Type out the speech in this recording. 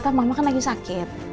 aku mau ke rumah sama pak